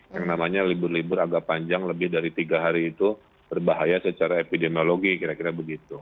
yang namanya libur libur agak panjang lebih dari tiga hari itu berbahaya secara epidemiologi kira kira begitu